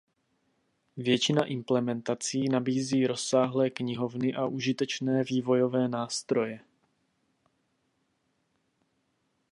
Většina implementací nabízí rozsáhlé knihovny a užitečné vývojové nástroje.